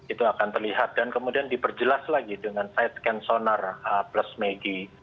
itu akan terlihat dan kemudian diperjelas lagi dengan side scan sonar plus maggie